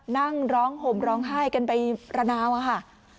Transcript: นั่งร้องห่มร้องไห้กันไประนาวอะค่ะ